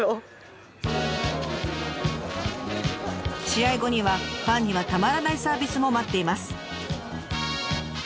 試合後にはファンにはたまらないサービスも待っています。